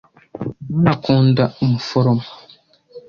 John akunda umuforomo.